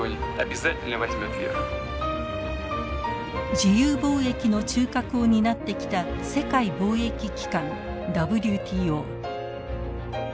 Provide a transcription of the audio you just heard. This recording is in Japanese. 自由貿易の中核を担ってきた世界貿易機関ＷＴＯ。